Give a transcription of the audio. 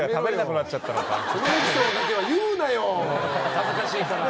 恥ずかしいから。